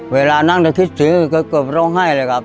เวลานั้นแต่คิดถึงก็เกือบร้องไห้เลยครับ